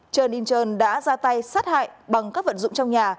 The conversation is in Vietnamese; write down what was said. trương yên trơn đã ra tay sát hại bằng các vận dụng trong nhà